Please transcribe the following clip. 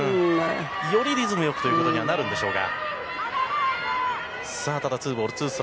よりリズムよくということになるんでしょうが。